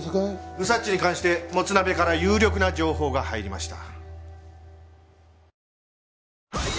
ウサっチに関してモツナベから有力な情報が入りました。